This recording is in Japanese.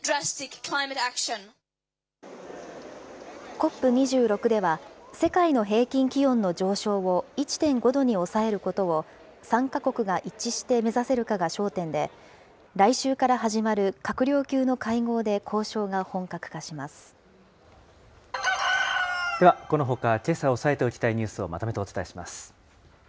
ＣＯＰ２６では、世界の平均気温の上昇を１．５度に抑えることを参加国が一致して目指せるかが焦点で、来週から始まる閣僚級の会合で交渉が本格化では、このほか、けさ押さえておきたいニュースをまとめてお伝えします。